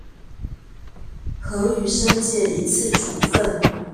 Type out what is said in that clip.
核予申誡一次處分